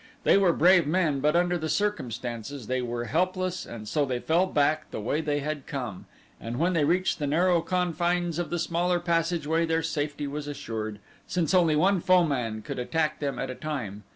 They were brave men but under the circumstances they were helpless and so they fell back the way they had come, and when they reached the narrow confines of the smaller passageway their safety was assured since only one foeman could attack them at a time.